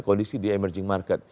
kondisi di emerging market